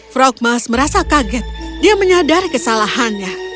frogmas merasa kaget dia menyadari kesalahannya